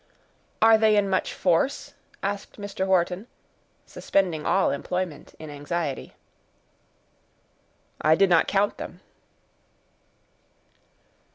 "Are they in much force?" asked Mr. Wharton, suspending all employment in anxiety. "I did not count them."